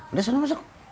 udah sana masuk